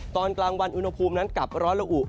ตอนกลางวันอุณหภูมินั้นกลับร้อนละอุ